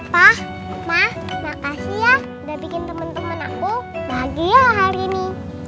pak ma makasih ya udah bikin temen temen aku bahagia hari ini